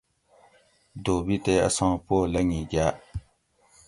دھوبی تے اساں پو لنگی گاۤ